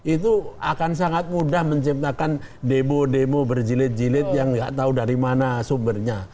itu akan sangat mudah menciptakan demo demo berjilid jilid yang nggak tahu dari mana sumbernya